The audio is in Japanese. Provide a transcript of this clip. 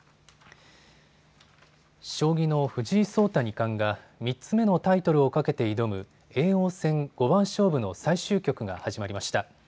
将棋の藤井聡太二冠が３つ目のタイトルを懸けて挑む叡王戦五番勝負の最終局が始まりました。